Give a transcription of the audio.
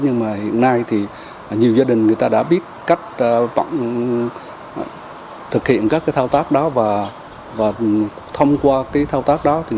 hiện nay nhiều gia đình đã biết cách thực hiện các thao tác đó và thông qua thao tác đó